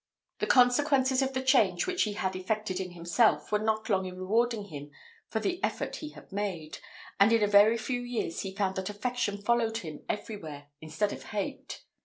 The consequences of the change which he had effected in himself were not long in rewarding him for the effort he had made, and in a very few years he found that affection followed him every where instead of hate.